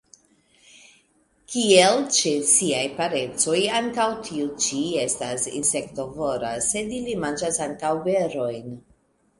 Kiel ĉe siaj parencoj, ankaŭ tiu ĉi estas insektovora, sed ili manĝas ankaŭ berojn.